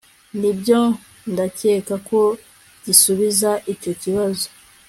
Nibyo ndakeka ko gisubiza icyo kibazo